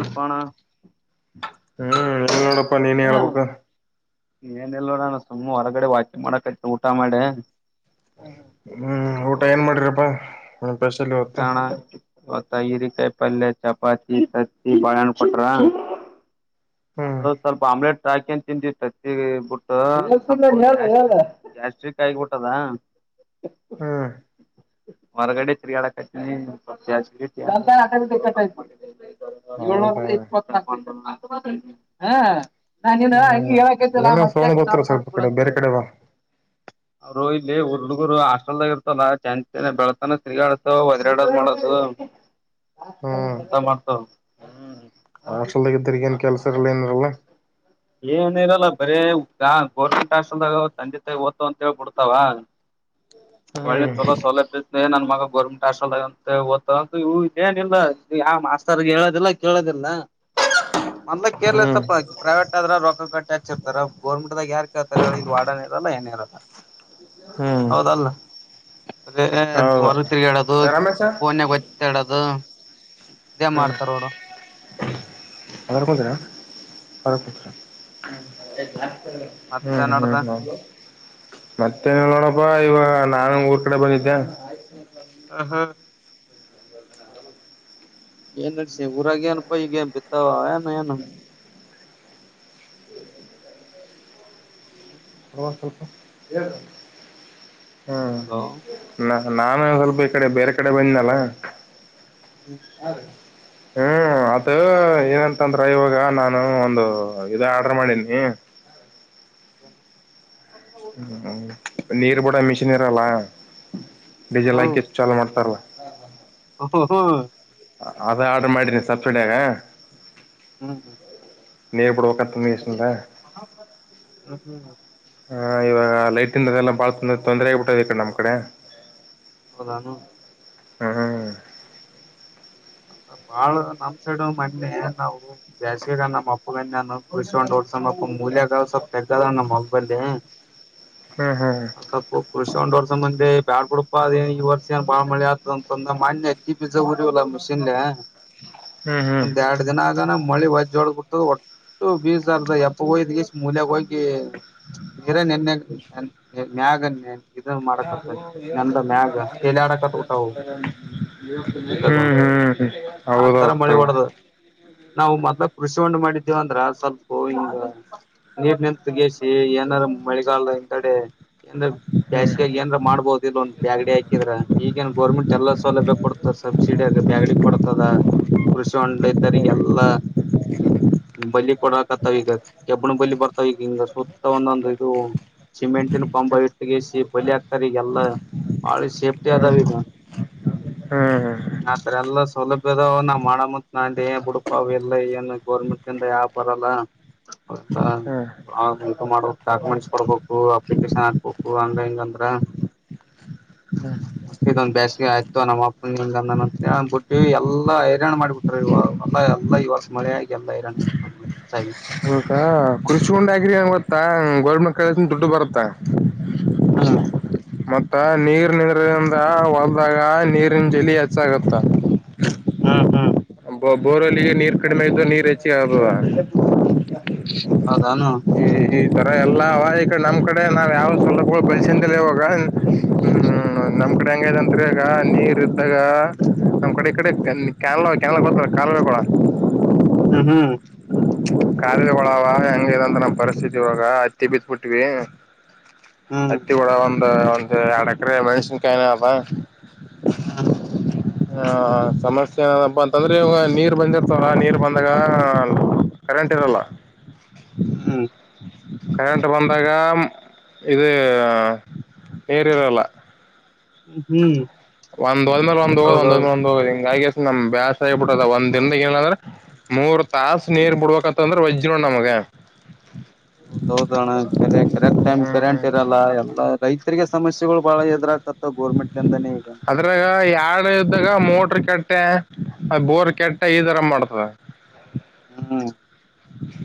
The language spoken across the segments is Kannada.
ನಪಣ ನೀನೇ ಹೇಳ್ಬೇಕು ಏನಲ್ವ ನಾನು ಸುಮಮ್ಮನೆ ಹೊರಗಡೆ ವಾಕಿಂಗ್ ಮಾಡಕಚ್ಚ ಊಟ ಮಾಡೆ ಒ ಪಸಲ್ಲಿ ಹೊತ್ತು ತಗರಿ ಕಾಯ ಪಲ್ಲ ಚಪಾತಿ ಸತ್ತಿ ಬಳಾಣ ಪಟ್ರಾ ಹ್ಮ್ ಅದ ಸ್ವಲ್ಪ ಆಮ್ಲೆಟ್ ಾಕಿನ್ ತಿಂಡಿಟ್ಟತ್ತ ಬಿಟ್ಟ ಗ್ಯಾಸ್ಟ್ರಿಕ್ಾಯಗ್ಬಿಟ್ಟದ ಹ್ಮ್ ಹೊರಗಡೆ ತಿರಿಡ ಏಳ್ನೂರ ಹೌದಾ ಇಪ್ಪತ್ತ ಹಾ ನಾನನ್ ಹ್ಮ್ ಹಂಗಿ ಹಕತಿಲ್ಲ ಏನೋ ಸೌಂಡ್ ಮತ್ತ್ಯಾಕ್ ಬರ್ತಾರ ಸ್ಟಾಪ್ ಸ್ವಲ್ಪ ಮಾಡ್ಕೊಳ ಕಡೆ ಅಂತ ಬೇರೆ ಹೇಳಿ ಕಡೆ ಬಾ ಅವರು ಇಲ್ಲಿ ಹುರ್ ಹುಗ್ಗರು ಹಾಸ್ಟೆಲ್ದಾಗ ಇರ್ತಲ್ಲ ಚೆನ್ ಬೆಳತಾನ ತಿರ್ಗಾಡತ ಹದ್ರಾಡದ್ ಮಾಡತ ಎಂತ ಮಾಡ್ತವ ಹಾಸ್ಟೆಲ್ಹಗ ತಿರಿಗೇನ್ ಕೆಲ್ಸ ಇರಲ್ಲ ಏನಿರಲ್ಲ ಏನ ಇರಲ್ಲ ಬರೀ ಗೋರ್ಮೆಂಟ್ ಹಾಸ್ಪೆಲ್ದಾಗ ತಂದೆ ತಾಯಿ ಓದ್ತವ ಅಂತ ಹೇಳೇಳ್ಬಿಡ್ತಾವ ಒಳ್ಳೆ ಹ್ಮ್ ಚಲೋ ಸೌಲಭ್ಯ ಾಗ [unintelligible] ಗೋರ್ಮೆಂಟ್ ಹಾಸ್ಟಲ್ ಅಂತ ಓತ್ತಂತ ಏನಿಲ್ಲ ಆ ಮಾಸ್ತರ್ ಹೇಳೋದಿಲ್ಲ ಕೇಳೋದಿಲ್ಲ ಹ [unintelligible] ಮಂದಾಗ [unintelligible] ಕೇರ್ಲೆಸ್ ಅಪ್ಪ ಪ್ರೈವೇಟ್ ಆದ್ರ ರೊ ಕಟ್ಟಿ ಹಚ್ಚಚ್ಿರ್ತಾರೆ ಗೋರ್ಮೆಂಟ್ ದಾಗ ಯಾರ್ು ಕೇಳ್ತಾರೆ ಹೇಳ ಇ ವಾಡ ಇರಲ್ಲ ಏನ ಇರಲ್ಲ ಹ್ಮ್ ಹೌದಲ್ಲ ಹೌದು ಹೊರು ತಿರ್ಗಾಡೋದು ರಮೇಶ ಫೋನ್ಾಗ ಗತ್ತಾಡೋದು [unintelligible] ಇದೇ ಮಾಡ್ತಾರೋಡು ಹದ ಕೊತ್ರ ಹದತ್ರ [unintelligible] ಮತ್ತೆ ಹ್ಮ್ ನಡ್ದ ಹ್ಮ್ ಹ [unintelligible] ಮತ್ತೆನ ನೋಡಪ್ಪಾ ಈವ ನಾನ ಊರ್ ಕಡೆ ಬಂದಿದ್ದೆ [inaudible] ಹ ಹಾ ಏನ ಸಿ [unintelligible] ಉೂರ ಗ ಪೈ ಗ ಪಿತಾವ ಆ ಏನು ಹ ಹಲ್ಪ [unintelligible] ಹಲೋ ನಾನು ಸ್ವಲ್ಪ ಈ ಕಡೆ ಬೇರೆ ಕಡೆ ಬಂದನಲ್ಲ ಹ ಹ್ಮ ಅದ ಏನಂತಂದ್ರ ಇವಾಗ ನಾನು ಒಂದು ಇದ ಆರ್ಡರ್ ಮಾಡೀನಿ ಹ [unintelligible] ಜನ ಹ್ಮ ನೀರ್ ಬೂಡ ಮಶ ನ್ ಇರಲ್ಲ ಡೀಸೆಲ್ ಹ್ಮ್ ಹಾಕಿಷ್ಟು ಚಾಲು ಮಾಡ್ತಾರಲ್ಲ ಹ ಹ ಅದೇ ಆರ್ಡರ್ ಮಾಡಿದೀನಿ ಸಬ್ಸಿಡಿಯಗ ಹ್ಮ್ ಹ್ಮ್ ನೇರ್ಪಡೋ [unintelligible] ಅ ಹ್ಮ ಹ್ಮ್ [unintelligible] ಹಾ ಇವಾಗ ಲೈಟಿಂದದೆಲ್ಲ ಬಾಳ ತೊಂದರೆ ಆಗಗ್ಬಿಟ್ಟ್ ಈ ಕಡೆ ನಮ್ಮ್ ಕಡೆ ಹೌದಾನು ಹ್ಮ್ ಬಾಳ ನಮ್ ಸಡ್ ಮೊನ್ನೆ ನಾವು ಬ್ಯಾಸಿಗ ನಮ್ಮ ಅಪ್ಪಗನ್ನಾನ ಉರ್ಸ್ಕೊಂಡು ಓಡ್ಸೊಂಡಪ್ಪ ಮೂಲ್ಯಗಳು ಸ್ವಲ್ಪ ತೆಗದ ನಮ್ಮ್ [unintelligible] ಮಗಬಲ್ಲಿೆ ಹ್ಮ್ ಹಾ ಕೃಷಿ ಒಂದ್ ವರ್ಷ ಮಂದಿ ಬ್ಯಾಳ್ ಗುಡಪ ಅದಏನ್ ಈ ವರ್ಷ ಏನ್ ಬಾಳ ಮಳೆ ಆಗ್ತದ ಅಂತಂದ ಮನ್ನ್ಯತಿೀ [unintelligible] ಬ ಜ ಉರಿ ಒಲ್ಲ ಮಷೀನ್ ಹ್ಮ್ ಹ್ಮ್ ಒಂದ್ ಎರಡ್ ದಿನ ಆಗಾನ ಮಳಿ ಹೊಜ್ ಜೋಳ ಹತದಟ್ಟ ಬೀ ಹಾರದ ಎಪ್ಪ ಹೋಯ್ಷ್ಟ ಮೂಲ್ಯಾಗ ಹೋಗಿ ನೀರ ನೆನ್ನೆನ್ಯಾಗ ಇದ ಮಾಡಕತ್ತ [unintelligible] ನಂದ ಮ್ಯಾಗ ಎಲ ಆಡಕತ್ ಉಊಟಾವ [unintelligible] ಹ್ಮ್ ಹ್ಮ್ ಹ್ಮ್ ಹೌದ ಆತರ ಮಳಿ ಆಗ್ತದೆ ಹೊಡದ ನಾವು ಮೊದ್ಲ ಕೃಷಿ ಉಂಡು ಮಾಡಿದ್ದೇವ ಅಂದ್ರ ಸ್ವಲ್ಪ ಹ ನೀರ್ ನಿಂತಗಿಸಿಿ ಏನಾರ ಮಳಗಾಲ ಹ್ ಕಡೆ ಏಂದ್ರ ಹ್ಮ್ ಜ್ಯಾಸ್ಗಾಗಿ ಏನ್ ಮಾಡಬಹುದ ಇ ಒಂದು ಬಾಗಡಿ ಹಾಕಿದ್ರ ಈಗಏನ್ ಗೋರ್ಮೆಂಟ್ ಎಲ್ಲ ಸೌಲಭ್ಯ ಕೊಡ್ತದೆ ಸಬ್ಸಿಡಿ ಆಗ ಬೇಾಗಡಿ ಕೊಡ್ತದ ಕೃಷಿ ಹ್ಮ್ ಹೊಂಡೈಿತರಿಗೆಲ್ಲ ಹ ಬಲಿ ಕೊಡಕತ್ತಾವ ಈಗ ಕೆಬ್ಬಣ ಬಲಿ ಬರ್ತಾವ ಈಗ ಹಿಂಗ ಸುತ್ತ ಒಂದೊಂದು ಇದು ಸಿಮೆಂಟಿನ ಪಂಬ ಇಟ್ಟಗಿಸಿ ಬಲಿ ಹಾಕ್ತಾರ ಈಗೆಲ್ಲಾ ಪಾಳಿ ಸೇಫ್ಟಿ ಅದಾವ ಹ್ಮ ಹ್ಮ ಆತ್ರ ಎಲ್ಲ ಸೌಲಭ್ಯದ ನಾವ ಮಾಡಮ್ಮತ್ ನ ಏನ್ ಬಿಡ್ಪ ಅವ ಎಲ್ಲ ಏನು ಗೋರ್ಮೆಂಟ್ಂದ ಯಾವ ಬರಲ್ಲ ಹ್ಮ್ ಮಾಡ ಡಾಕ್ಯುಮೆಂಟ್ಸ್ ಕೊಡ್ಬೇಕು ಅಪ್ಲಿಕೇಶನ್ ಹಾಕ್ಬೇಕು ು ಆನ್ಲೈನ್ ಅಂದ್ರ ಹ ತಂದು ಬಸ ನಮ್ಮ ಅಪ್ಪ ನ ಬಿಟ್ಟ ಎಲ್ಲಾ ಹೈರಾಣ ಮಾಡಿಬಿಟ್ರರು ಇವಲ್ಲ ಎಲ್ಲ ಇವಾಸ ಮಳೆ ಆಗ ಎಲ್ಲ ಇರ ಹಾ ಕರ್ಚಕೊಂಡ್ ಆಗ್ರಿ ನಂಗಗೆ ಗೊತ್ತಾ ಗೋರ್ ಮಕ್ಕಳ ದುಡ್ಡು ಬರುತ್ತಾ ಹ್ಮ್ ತ್ತ ನೀರ್ನದಿಂದ ಹೊಳ್ದಾಗ ನೀರಿನ ಜಲಿ ಹೆಚ್ಚಾಗುತ್ತ ಹ್ಮ್ ಹ್ಮ್ ನೀರ್ ಕಡಿಮೆ ಇದ್ದು ನೀರ್ ಹೆಚ್ಚಿಗೆ ಆಗ್ತದ ಹೌದಾನ ಈ ಈ ತರ ಎಲ್ಲ ಈಡೆ ನಮ್ ಕಡೆ ನಾವ್ ಯಾವ್ ಸ್ವಲಪ ಪಲ್ಸನ್ ಇಾವಾಗ ಹ್ಮ್ ಹ್ಮ ನಮ್ ಕಡೆ ಹ್ಮ್ ಹೆಂಗಂ್ರ ನೀರ್ ಇದ್ದಾಗ ನಮ್ ಕಡೆ ಈ ಕಡೆ ಕನ್ ಕ್ಯನ್ಲ್ ಗತ್ತಾರ ಕಾಲ ಬ ಕೊಡ ಹ್ಮ್ ಹ್ಮ್ ಕಾಲಿಗೆ ಒಳಾವ ಹೆಂಗಂತ ನಮ್ಮ್ ಪರಿಸ್ಥಿತಿ ಇವಾಗ ಹತ್ತಿ ಬಿತ್ಬಿಟ್ವಿ ಅತ್ತಿ ಕೂಡ ಒಂದ ಒಂದು ಎರಡ ಎಕರೆ ಮನುಷನ್ ಕಾಯನ ಅಬ ಹಾ ಹ ಸಮಸ್ಯೆ ಏನದಪ್ಪ ಅಂತಂದ್ರೆ ಇವ ನೀರ್ ಬಂದಿರ್ತವ್ರ ನೀರ್ ಬಂದಾಗ ಕರೆಂಟ್ ಇರಲ್ಲ ಹ್ಮ್ ಕರೆಂಟ್ ಬಂದಾಗ ಇದು ನೀರಿರಲ್ಲ ಹ್ಮ್ ಒಂದ್ ಒಂದ ಒಂದ ಹೋಗದ ಒಂದ ಹೌದೌದು ಒಂದ ಹ ಹಿಂಗ ನಮ್ ಬೇಸ್ ಆಗಿಬ ಬಿಡದ ಒಂದ ದಿನದ ಏನ ಅಂದ್ರೆ ಮೂರ್ ತಾಸ ನೀರ್ ಬಿಡ್ಬೇಕತ್ಂದ್ರೆ ವಜ್ರ ನಮಗ ಹ ಹೌದ ಹೌದಣ್ಣ ಕರೆಕ್ಟ್ ಟೈಮ್ ಹ್ಮ್ ಕರೆಂಟ್ ಇರಲ್ಲ ಎಲ್ಲ ರೈತರಿಗೆ ಸಮಸ್ಯೆಗಳು ಬಹಳ ಎದು್ರಾಗಕತ್ತ ಗೋರ್ಮೆಂಟ್ಲಂದಾನೇ ಈಗ ಅದ್ರಾಗ ಯಾಡ್ ಇದ್ದಾಗ ಮೋಟ್ರ ಕೆಟ್ಟೆ ಬೋರ್ ಕೆಟ್ಟೆ ಈರ ಮಾಡ್ತದೆ ಹ್ಮ್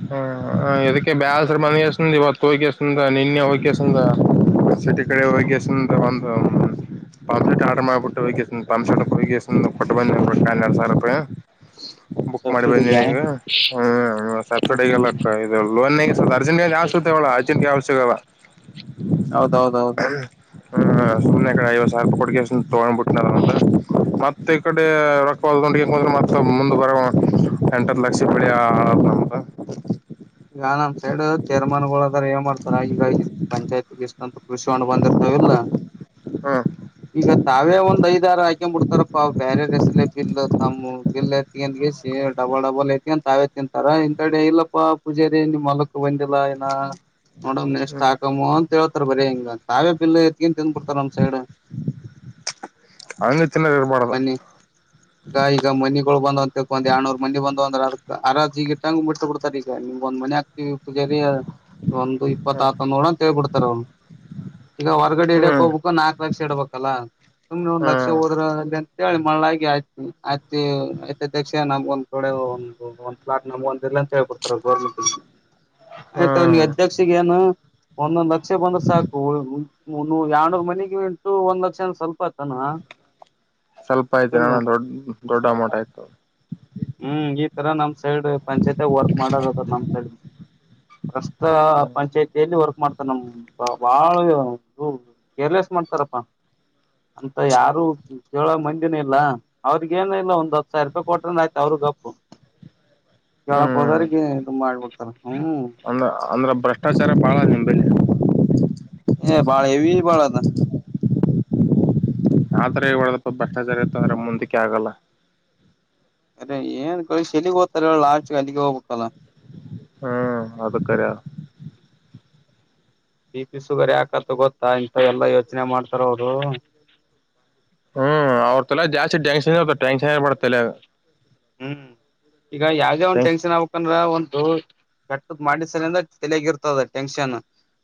ಹ್ಮ ಇದದಕ್ಕೆ ಬ್ಯಸರು ಬಂದಸ್ಂದ ಇವತ್ತು ಹೋಗಕಸಂದ ನಿನ್ನೆ ಹೋಗಕಸಂದ ಸಟ ಕಡೆ ವಗಿ ಒಂದು ಪಂಪ್ ಶಟ್ ಆರಾಮ್ ಆ್ಬಿಟ್ಟು ಹೋಗಂಪ್ೋಗ ಕೊಟ್ಟರಡು ಸಾವಿ ರಪಾಯಿ ಬುಕ್ ಮಾಡಿ ಸಬ್ಸಿಡಿಗೆ ಬಂದನಿ ಈಗ ಹ ಹ್ಮ್ ಹ್ಮ್ ಸಬ್ಸಿಡಿಲ್ಲದು ಲೋನ್ಗ ಅರ್ಜಂ ಜಾಸ್ತ ಅವಳ ಅಜಂಟ್ಗೆ ಅವಶ್ಯಕವಲ್ಲ ಹೌದೌದೌದು ಹ್ಮ ಸುಮ್ಮನೆ ಕಡೆ ಐವತ್ತು ಸಾವರ ಕೊಡ್ ತಗೊಂಡಬಟ್ಟು ಮತ್ತೆ ಈ ಕಡೆರ ಹೊಂಡ ್ರ ಮ ಮುಂದ ಬರ ಎಂಟತ್ತು ಲಕ್ಷ ಬೆಳಿ ಆ ನಮ ಈಗ ನಮ್ ಸೈಡ್ ಚೇರ್ಮನ್ ಗಳುದಾರ ಏನ್ ಮಾಡ್ತಾರ ಆಗಗ ಪಂಚಾಯತ್ಗೆ ಎಷ್ಟ ಅಂತ ಕೃಷ ಹೊಂಡ ಬಂದಿರ್ತಾವಲ್ಲ ಹ್ಮ್ ಈಗ ತಾವೇ ಒಂದ್ ಐದ್ ಆಾರು ಹಾಕ್ಬ ಬಿಡ್ತಾರಪ್ಪಾ ಬೇರೆ ರ ಹೆಸಲೆ ಬಿಲ್ ತಮ್ಮ ಬಿಲ್ ಐತಿ ಅಂದ ಡಬಲ್ ಡಬಲ್ ಐತಿ ಅಂತ ಆಾವೇತಿ ತಿಂತಾರ ಇಂತ ಕಡೆ ಇಲ್ಲಪ್ಪ ಪೂಜೆರಿ ನೀ ಮಲಕ್ಕ ಬಂದಿಲ್ಲ ಏನ ನೋಡ್ ಎಷ್ಟ್ ಹ್ಮ್ ಹಾಕಮ್ಮ ಅಂತ ಹೇಳ್ತಾರ ಬರಿ ಹಿಂಗ ತಾವೇ ಪಿಲ್ಲ ಎತ್ಕನ್ ತಂದುಬಿಡ್ತಾರ ನಮ್ ಸೈಡ್ ಹ್ಮ ಹಂಗ ತಿನ್ನದ ಇರಬಾರ್ದು ಮನ್ನ ಈಗ ಈಗ ಮನಿಗಳು ಬಂದ ತ ಎರ್ನೂರು ಮನಿ ಬಂದಂದ್ರ ಆರಾತಿಗಿಟ್ಟಟಂಗ್ಟ್ಟ ತೊಡ್ತಾರೆ ಈಗಮ್ಗಂದ ಮನೆ ಆಗ್ ಪೂಜೆ ಒಂದು ಇಪ್ಪತ್ತ ಹ್ಮ್ ಹತಂದ ನೋಡ ಅಂತೇಳ್ಬಿಡ್ತಾರ ಅವ್ರು ಈಗ ಹೊರ್ಗಡೆ ಹಿಡಕ್ ಹ್ಮ್ ಹೋಗ್ಬೇಕು ನಾಕಕ್ ಲಕ್ಷ ಇಡ್ಬೇಕಲ್ಲ ಸುಮ್ನೆ ಒಂದ್ ಲಕ್ಷ ಹ್ಮ್ ಹೋದ್ರ ಮಳಗ ಆಯ್ತ ಆಯ್ತ ಆಯ್ತ ಅಧ್ಯಕ್ಷ ನಮ್ಗ ಒಂದ ಕಡೆ ಒಂದು ಒಂದ ್ಲಾಟ್ ನಮ್ ಒಂದ್ ಇಲ್ಲ ಅಂತ ಹೇಳ್ಬಡ್ ಗರ್ೆಂಟ್ ಆಯ್ತ ಅವಿಗೆ ಹ್ಮ್ ಅಧ್ಯಕ್ಷಗ ಏನು [unintelligible] ಒಂದೊಂದ್ ಲಕ್ಷ ಬಂದ್ರ ಸಾಕು ಎರನ ಮನೆಿಗೆ ಉಂಟು ಒಂದ್ ಲಕ್ಷ ಅಂದ ಸ್ವಲ್ಪ ಆತಾನ ಸ್ವಲ್ಪ ಆಯ್ತು ನಾನ ದೊಡ್ ದೊಡ್ಡ ಅಮೌಟ್ ಆಯ್ತು ಹ್ಮ್ ಈ ತರ ನಮ್ ಸೈಡ್ ಪಂಚಾಯಿಯ ವರ್ಕ್ ಮಾಡದ ನಮ್ ಸಳ ಪ್ರಸ್ತ ಪಂಚಾಯತಿಯಲ್ಲಿ ವರ್ಕ್ ಮಾಡ್ತಾರೆ ನಮ ಬಾಳ್ ಕೇರ್ಲೆಸ್ ಮಾಡ್ತಾರಪ್ಪಾ ಅಂತ ಯಾರು ಕೇಳ ಮಂದಿನ ಇಲ್ಲ ಅವ್ರಿಗ ಏನ ಇಲ್ಲ ಒಂದ್ ಹತ್ತು ಸಾವಿರ ರೂಪಾಯಿ ಕೊಟ್ರ ಆಯ್ತು ಅವ್ರ ದಪ್ಪು ಹ ಯ [unintelligible] ತುಂಬ ಮಾಡ್ಬಡ್ತಾ ಅಂದ್ರ ಅಂದ್ರೆ ಭ್ರಷ್ಟಾಚಾರ ಬಾಳ ನಿಮಲ್ಲಿ ಏ ಬಾಳ ಹೆವಿ ಬಾಳ ಅದ ಆದ್ರ ಇ ಒಳ್ದಪ್ಪ ಭ್ರಷ್ಟಾಚಾರ ಇತ್ತು ಅಂದ್ರೆ ಮುಂದಕ್ಕೆ ಆಗಲ್ಲ ಅರೆ ಏನ್ ಕಳಲಿಗ್ ಸರಿಳ್ಳ ಆಚ ಕಲ್ಲಿಿಗೆ ಹೋಗ್ಬೇಕಲ್ಲ ಹ್ಮ್ ಅದು ಕರೆ ಅದ ಕರಿ ಬಿ ಪಿ ಶುಗರ್ ಯಾಕತ ಗೊತ್ತಾ ಇಂತ ಎಲ್ಲಾ ಯೋಚನೆ ಮಾಡ್ತಾರ ಅವರು ಹ್ಮ್ ಅವ್ರ ತಲ್ಲ ಜಾಸ್ತಿ ಟ್ಯಾನ್ಕ್ಷನ್ ಇತ ಟ್ಯಾನ್ಕ್ಷನ್ಬಡತಲ್ಲ ಹ್ಮ್ ಈಗ ಯಾವ್ದೇ ಒಂದ ಟೆನ್ಷನ್ ಆಗ್ಬೇಕಂದ್ರ ಒಂದ ದು ಕಟ್ಟದ ಮಾಡಿಸಲಂದ ತೆಲಗಿ ಇರ್ತದೆ ಟೆನ್ಷನ್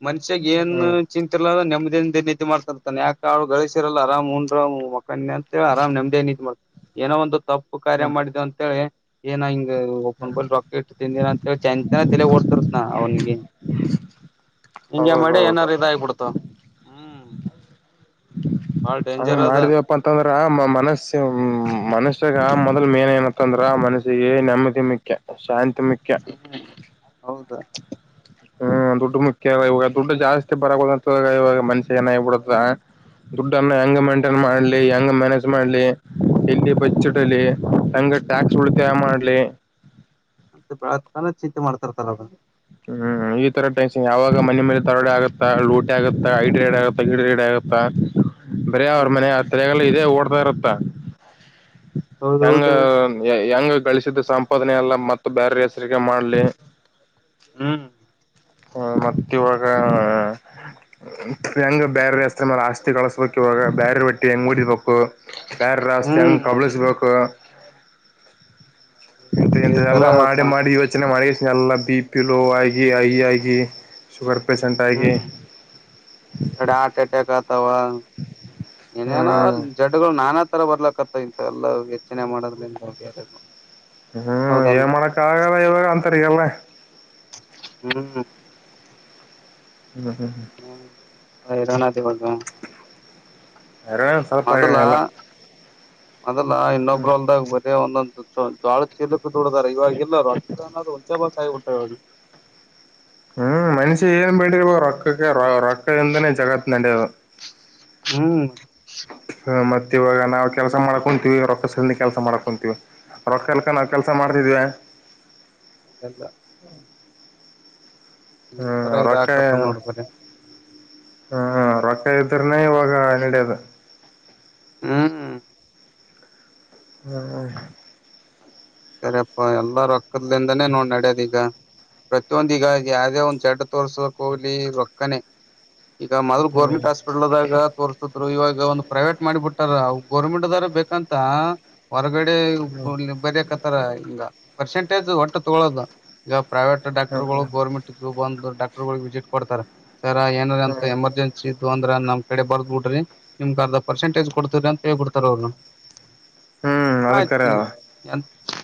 ಮನ್ಷ್ಯಾಗ ಏನ್ ಹ್ಮ್ ಚಿಂತಲ್ಲ ಅ ನೆಮ್ದ ೇ ನೀತಿ ಮಾಡ್ತಾರರ್ತಾನ ಯಕೆಾಳು ಗಳಿಸಿರಲ್ಲರಾಮ ಉುರ್ ಮಣ ಅಂತ ಹೇಳ ಆರಾಮ್ ನಮ್ದೇ ನೀತಿ ಮಾಡ್ತಾರೆ ಏನೋ ಒಂದು ತಪ್ಪು ಕಾರ್ಯ ಹ್ಮ್ ಮಾಡಿದೆ ಅಂತೇಳಿ ಏನ ಹ ಓಪನ್ ಬಲ್ ರಾಕೆಟ್ ತಿಿಂದಿರ ಅಂತ ಚೆ ಚ ತಲೆ ಓಡ್ತರ್ನಾ ಅವನಿಗೆ ಹಿಂಗೆ ಮಡಿ ಹೌದೌದು ಏನಾರು ಇದಾಗಿಬಿಡ್ತು ಹ್ಮ್ ಬಾಳ ಹಂಗ್ ಡೇಂಜರ್ ಅದ ಮಾಡಿದಿವವಪ್ಪಾ ಅಂತಂದ್ರ ಮನಸ್ಸ್ಯ ಮನುಷ್ಯಾಗ ಮೇನ್ ಏನತ್ತ ಅಂದ್ರ ಮನಸ್ಸಿಗೆ ನೆಮ್ಮದಿ ಮುಖ್ಯ ಶಾಂತಿ ಮುಖ್ಯ ಹೌದ ಹ್ಮ್ ದುಡ್ಡು ಮುಖ್ಯ ಇವಾಗ ದುಡ್ಡು ಜಾಸ್ತಿ ಬರಬಹುದಂತ ಇವಾಗ ಮನ್ಷ್ಯ ಏನಾಗಿಬಿಡತ್ತ ದುಡ್ಡನ್ನ ಹೆಂಗ ಮೇಂಟೈನ್ ಮಾಡ್ಲಿ ಹೆಂಗ ಮ್ಯಾನೇಜ್ ಮಾಡ್ಲಿ ಇಲ್ಲಿ ಹ್ಮ್ ಬಿಡಲಿ ತಂಗ ಟ್ಯಾಕ್ಸ್ ಉಳಿತಾಯ ಮಾಡ್ಲಿ ಅಂತ ಬೆಳಗ್ ತಾನ ಚಿಂತೆ ಮಾಡ್ತಾರತಲ ಬನ್ನಿ ಹ್ಮ್ ಈ ತರ ಟೆನ್ಸನ್ ಯಾವಾಗ ಮನೆ ಮೇಲೆ ತರಡೆ ಆಗತ್ತಾ ಲೂಟಿ ಆಗುತ್ತಾ ಐಡ ರಡ್ ಆಗುತ್ತ ಗಿಡ ಗಿಡ ಆಗತ್ತಾ [unintelligible] ಬರ ಅವ್ರ ಹ್ಮ್ ಮನೆ ಆ ತಗೆಲ್ಲ ಇದೇ ಓಡ್ತಾ ಇರತ್ತ ಹೆಂಗ ಹೌದೌದ ಹೆಂಗ ಬೆಳಸಿದ್ದ ಸಂಪಾದನೆ ಎಲ್ಲ ಮತ್ತ ಬೇರೆ ಹೆಸರಿಗೆ ಮಾಡ್ಲಿ ಹ್ಮ್ ಹ ಮತ್ತ ಇವಾಗ ಹೆಂಗ ಬೇರೆ ಎಸ್ತ್ರರ ಮೇಲೆ ಆಸ್ತಿ ಕಳಸ್ಬೇಕಕ್ ಇವಾಗ ಬೇರೆ ಒಟ್ಟಿ ಹೆಂಗ್ ಮೂಡಿಬೇಕು ಸಾರ ರಸ್ತನ್ ಹ್ಮ್ ಕಬಳಿಸ್ಬೇಕು ಎ ಈ ಎಂತ ತರ ಎಲ್ಲಾ ಮಾಡಿ ಮಾಡಿ ಯೋಚನೆ ಮಾಡಿ ಎಲ್ಲಾ ಬಿ ಪಿ ಲೊ ಆಗಿ ಹೈ ಆಗಿ ಶುಗರ್ ಪಷಂಟ್ ಆಗಿ ಹ್ಮ್ ವಾ ಏನೇನೋ ಹ್ಮ್ ಜಡ್ಗಳು ನಾನಾ ತರ ಬರ್ಲಕತ್ [unintelligible] ಇ ಎಲ್ಲ ಹೆಚ್ಚನೆ ಮಾಡೋದ್ರಿಂದ ಬೇರೆ ಹ್ಮ್ ಹೌದಲ್ ಏನ್ ಮಾಡಕ್ಕ ಆಗಲ್ಲ ಇವಾಗ ಅಂತರಿಗಲ್ಲ ಹ್ಮ್ ಹ್ಮ್ ಹ್ಮ್ ಇರಾಣತಿ ಕೊಡ್ತ [unintelligible] ಹ್ಮ್ ಸ್ವಲ್ಪ ಮೊದ್ಲ ಎಲ್ಲ ಮೊದ್ಲ ಹ್ಮ್ ಇನ್ನೊಬ್ರ ಅಲ್ದಾಗ ಬರ ಒಂದೊಂದು ಬಾಳ ಚೀಲಕ್ಕೆ ದದುಡದಾರ ಇವಾಗೆಲ್ಲ ಅಸ್ತ ಅನ್ನಾದ್ರರು ಉಂಚೆ ಬಾತಗಿ ಉಟ ಇಾಗ [unintelligible] ಹ್ಮ್ ಮನುಷ್ಯನ್ ಪೇ ರೊ ರೊಕ್ಕ ಎ ಜಗತ್ ಹ್ಮ್ ಮತ್ತತ್ ಇವಾಗ ನಾವವು ಕೆಲಸ ಮಾಡ್ಕೊಂತೀವಿ ರೊಕ್ಕಸದಿಂದ ಕೆಲಸ ಮಾಡ್ಕೊಂತೀವಿ ರೊಕ್ಕಲ್ಕ ನಾವವು ಕೆಲ್ಸ ಮಾಡ್ತಿದ್ವಿ ಇಲ್ಲ ಹ್ಮ್ ತರ ರ ಇದ ಹಾಕತ್ತ ನೋಡ್ ಬರಿ ಹ್ಮ್ ಕೈತರಿನ ಯೋಗ ಆಾಣಿಡೇದು ಹ್ಮ್ ಹ್ಮ ಹ್ಮ ಸರಿಪ್ಪಾ ಎಲ್ಲ ರೊಕ್ಕದಲಿಂದಾನೇ ನೋಡ್ ನಡ್ಯದ ಈಗ ಪ್ರತಿಯೊಂದ ಈಗ ಯಾವುದೇ ಒಂದ್ ಚಡ್ ತೋರ್ಸಕ್ ಹೋಗ್ಲಿ ರೊಕ್ಕನೆ ಈಗ ಮೊದಲು ಹ್ಮ್ ಗವರ್ಮೆಂಟ್ ಹಾಸ್ಪಿಟಲ್ದಾಗ ತೋರ್ಸಿದ್ರು ಇವಾಗ ಒಂದು ಪ್ರೈವೇಟ್ ಮಾಡಿಬಿಟ್ಟಾರ ಗರ್ಮೆಂಟ್ ದಾರ ಬೇಕಂತ ಹೊರಗಡೆ ಹ್ಮ್ ಬರಕತ್ತರ ಹಂಗ ಪರ್ಸೆಂಟೇಜ್ ಒಟ್ಟು ತಗೊಳ್ಳೋದು ಈಗ ಪ್ರೈವೇಟ್ ಡಾಕ್ಟರ್ ಗಳು ಹ್ಮ್ ಗೋರ್ಮೆಂಟ್ ಬಂದು ಡಾಕ್ಟರ್ ವಿಸಿಟ್ ಕೊಡ್ತಾರೆ ಸರ ಏನ ಅಂತ ಹ್ಮ್ ಎಮರ್ಜೆನ್ಸಿ ಅಂದ್ರ ನಮ್ ಕಡೆ ಬರ್ದ್ ಬಿಡ್ರಿ ನಿಮ್ ಕದ ಪರ್ಸೆಟೇಜ್ ಕೊಡ್ತವ್ರರಿ ಅಂತ ಹೇಳ್ಬಿಡ್ತಾರ ಅವರು ಹ್ಮ್ ಹಾ ಅದಕ್ಕರೆ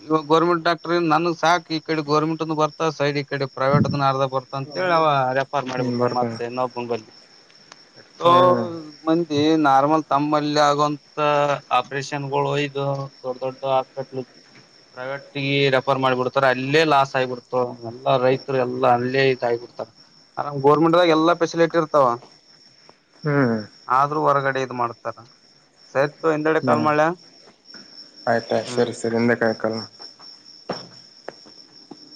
ಇವ ಗೌರ್ಮೆಂ ಡಾಟ್ರ ನನ್ಗ್ ಸಾಕಕ್ ಈ ಕಡೆ ಗೋರ್ಮೆಂಟ್ ಬರ್ತಾ ಸೈಡ್ಿಗೆ ಕಡೆ ಪ್ರೈವೇಟ್ ಅದ ಅರ್ಧ ಬರ್ತ ಅಂತೇಳಿ ಅವ ರೆಫರ್ ಹ್ಮ್ ಮಾಡಿಬಿಡ್ತೆ ಬರ್ತೀನಿ ಮತ್ತೆ ನಬ್ಬಂಬಲ್ಲಿ ಎಷ್ಟೋ ಹ್ಮ್ ಮಂದಿ ನಾರ್ಮಲ್ ತಮ್ಮಲ್ಲಿ ಆಗೋಂತ ಆಪರೇಷನ್ಗಳು ಒಯದು ದೊಡ್ ದೊಡ್ಡ ಹಾಸ್ಪಿಟ್ಲ್ ಪ್ರೈವೇಟ್ಗ ರೆಫರ್ ಮಾಡಿಬಿಡ್ತಾರೆ ಅಲ್ಲೇ ಲಾಸ್ ಆಗಿಬಿಡ್ತು ಎಲ್ಲಾ ರೈತರು ಎಲ್ಲಾ ಅಲ್ಲೇ ಡ್ತಾರರಾಮ್ ಗೋರ್ಮೆಂಟ್ಾಗ ಎಲ್ಲಾ ಫೆಸಿಲಿಟಿ ಇರ್ತಾವ ಹ್ಮ್ ಆದ್ರೂ ಹೊರಗಡೆ ಇದು ಮಾಡುತ್ತಾರ ಸೆಟ್ ಹ್ಮ ಆಯ್ತಾಯಯ್ತು ಹ್ಮ್ ಸರಿ ಸರಿ ಎಂದಕ್ಕ ಆಾಯಕಲ್ಲ